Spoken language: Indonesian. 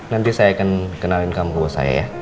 nanti saya akan kenalin kamu saya ya